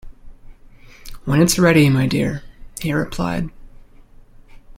"When it's ready, my dear," he replied.